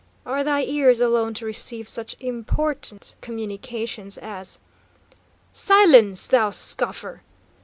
"Are thy ears alone to receive such important communications as " "Silence, thou scoffer!"